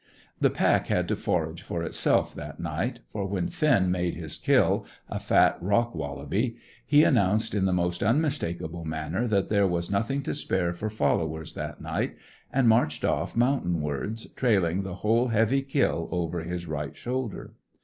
The pack had to forage for itself that night, for when Finn made his kill a fat rock wallaby he announced in the most unmistakable manner that there was nothing to spare for followers that night, and marched off mountain wards, trailing the whole heavy kill over his right shoulder.